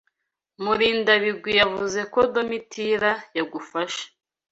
Murindabigwi yavuze ko Domitira yagufashe.